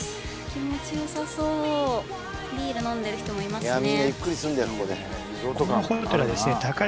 気持ちよさそうビール飲んでる人もいますね